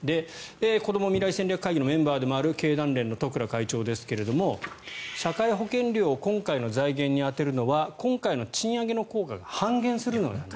こども未来戦略会議のメンバーでもある経団連の十倉会長ですが社会保険料を今回の財源に充てるのは今回の賃上げの効果が半減すると。